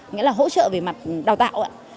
nghĩa là hỗ trợ về mặt đào tạo